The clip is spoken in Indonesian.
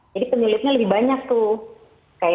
jadi penyulitnya lebih banyak tuh